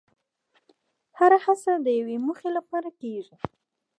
هره هڅه د یوې موخې لپاره کېږي.